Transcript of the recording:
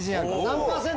何％？